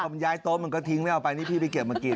มันย้ายโต๊ะมันก็ทิ้งไม่เอาไปนี่พี่ไปเก็บมากิน